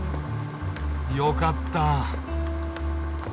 よかった。